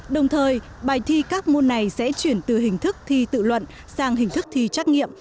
đồng thời bài thi các môn này sẽ chuyển từ hình thức thi tự luận sang hình thức thi trắc nghiệm